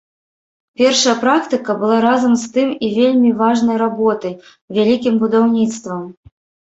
Першая практыка была разам з тым і вельмі важнай работай, вялікім будаўніцтвам.